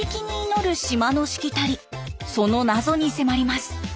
その謎に迫ります。